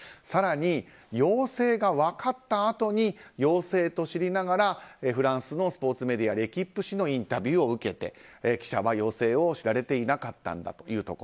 更に、陽性が分かったあとに陽性と知りながら、フランスのスポーツメディアレキップ紙のインタビューを受けて記者は知らされていなかったんだと。